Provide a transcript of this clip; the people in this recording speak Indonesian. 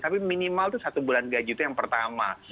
tapi minimal itu satu bulan gaji itu yang pertama